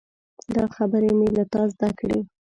دا خبرې مې له تا زده کړي.